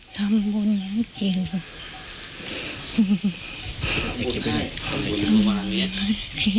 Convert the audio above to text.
ทำบุญอย่างนี้